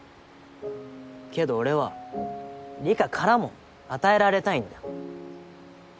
けど俺は梨香からも与えられたいんだ。